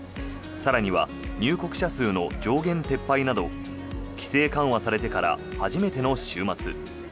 更には入国者数の上限撤廃など規制緩和されてから初めての週末。